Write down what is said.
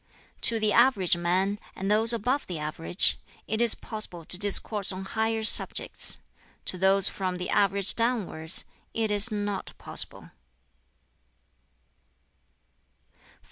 "To the average man, and those above the average, it is possible to discourse on higher subjects; to those from the average downwards, it is not possible."